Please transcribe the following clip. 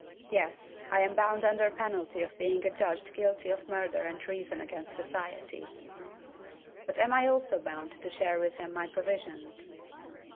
Yes, I am bound under penalty of being adjudged guilty of murder and treason against society. But am I also bound to share with him my provisions?